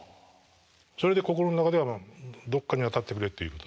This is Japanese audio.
それで心の中ではどっかに当たってくれっていうことで。